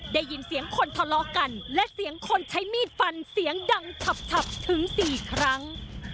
ได้ยินเสียงคนทะเลาะกันและเสียงคนใช้มีดฟันเสียงดังขับถึง๔ครั้ง